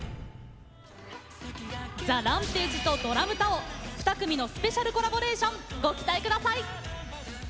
ＴＨＥＲＡＭＰＡＧＥとＤＲＡＭＴＡＯ、２組のスペシャルコラボレーションご期待ください。